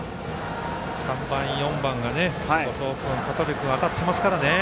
３番、４番が後藤君、香取君当たってますからね。